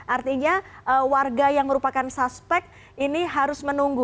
artinya warga yang merupakan suspek ini harus menunggu